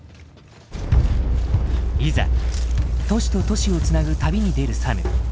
いざ都市と都市を繋ぐ旅に出るサム。